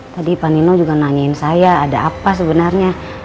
tadi pak nino juga nanyain saya ada apa sebenarnya